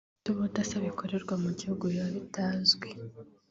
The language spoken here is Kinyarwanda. kuko ubundi hari ibintu bifite ubudasa bikorerwa mu gihugu biba bitazwi